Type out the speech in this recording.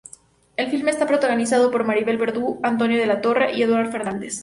El filme está protagonizado por Maribel Verdú, Antonio de la Torre y Eduard Fernández.